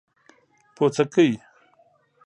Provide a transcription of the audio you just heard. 🍄🟫 پوڅکي